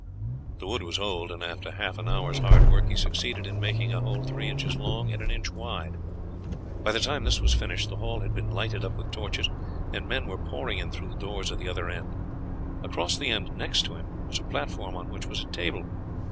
The wood was old, and after half an hour's hard work he succeeded in making a hole three inches long and an inch wide. By the time this was finished the hall had been lighted up with torches, and men were pouring in through the doors at the other end. Across the end next to him was a platform on which was a table.